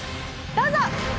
どうぞ！